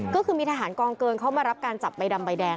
ก็คือมีทหารกองเกินเขามารับการจับใบดำใบแดง